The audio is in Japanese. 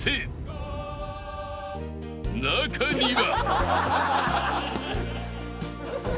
［中には］